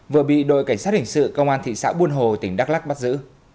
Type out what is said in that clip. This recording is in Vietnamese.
vừa bị đội cảnh sát hình sự công an thị xã buôn hồ tỉnh đắk lắc bắt giữ